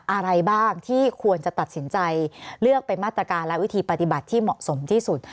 อะไรบ้างที่ควรจะตัดสินใจเลือกเป็นมาตรการและวิธีปฏิบัติที่เหมาะสมที่สุด